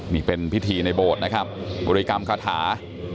นี่เป็นพิธีในโบสถ์บุริกรรมฆาตา